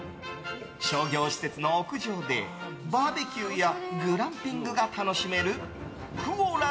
商業施設の屋上でバーベキューやグランピングが楽しめるＱｕＯＬａ